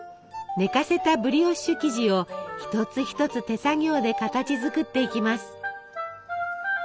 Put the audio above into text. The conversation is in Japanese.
寝かせたブリオッシュ生地を一つ一つ手作業で形づくっていきます。